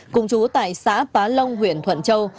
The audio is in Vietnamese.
cùng chú tại xã phá long huyện thuận châu